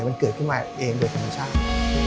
มันเกิดขึ้นมาเองโดยธรรมชาติ